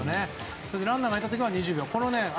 それでランナーがいる時は２０秒。